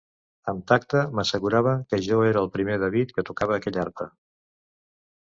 Amb tacte m'assegurava que jo era el primer David que tocava aquella arpa.